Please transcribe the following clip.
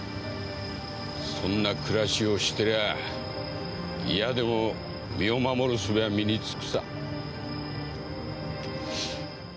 そんな暮らしをしてりゃ嫌でも身を守るすべは身につくさ。